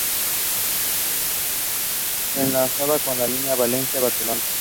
Enlazaba con la línea Valencia-Barcelona.